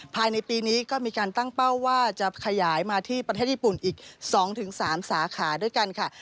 ภายในปีนี้ก็มีการตั้งเป้าว่าจะขยายมาที่ประเทศญี่ปุ่นอีก๒๓สาขาด้วยกันค่ะ